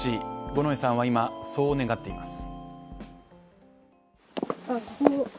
五ノ井さんは今、そう願っています。